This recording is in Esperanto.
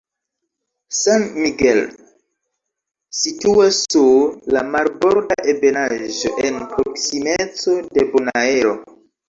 San Miguel situas sur la marborda ebenaĵo en proksimeco de Bonaero.